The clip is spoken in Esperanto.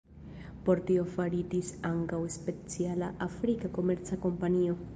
Por tio faritis ankaŭ speciala afrika komerca kompanio.